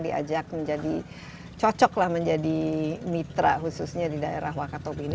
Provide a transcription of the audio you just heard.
diajak menjadi cocoklah menjadi mitra khususnya di daerah wakatobi ini